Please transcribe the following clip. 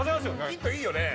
ヒントいいよね